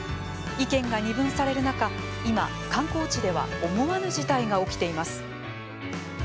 意見が二分される中今、観光地では思わぬ事態が起きています。